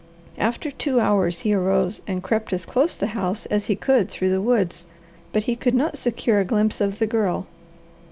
After two hours he arose and crept as close the house as he could through the woods, but he could not secure a glimpse of the Girl.